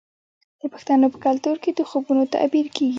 د پښتنو په کلتور کې د خوبونو تعبیر کیږي.